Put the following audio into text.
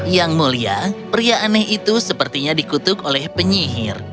yang mulia pria aneh itu sepertinya dikutuk oleh penyihir